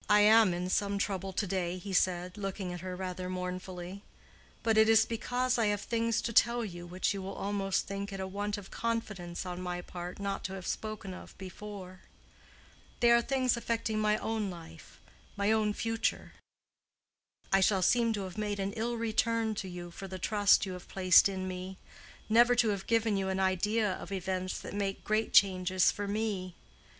"I am in some trouble to day," he said, looking at her rather mournfully; "but it is because I have things to tell you which you will almost think it a want of confidence on my part not to have spoken of before. They are things affecting my own life—my own future. I shall seem to have made an ill return to you for the trust you have placed in me—never to have given you an idea of events that make great changes for me.